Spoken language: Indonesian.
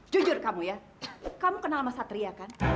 jujur kamu ya kamu kenal sama satria kan